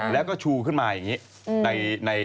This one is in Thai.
แล้วก็ชูขึ้นมาอย่างนี้